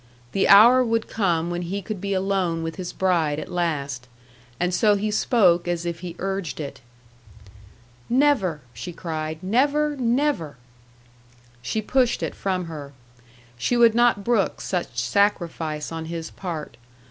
The hour would come when he could be alone with his bride at last. And so he spoke as if he urged it. "Never!" she cried. "Never, never!" She pushed it from her. She would not brook such sacrifice on his part.